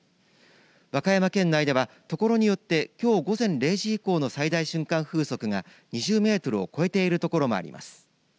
和歌山県内ではところによってきょう午前０時以降の最大瞬間風速が２０メートルを超えている所もあります。